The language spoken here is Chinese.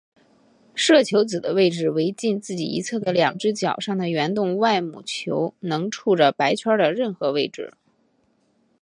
射球子的位置为近自己一侧的两只角上的圆洞外母球能触着白圈的任何位置。